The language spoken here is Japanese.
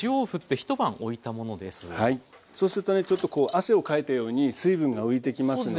そうするとねちょっとこう汗をかいたように水分が浮いてきますので。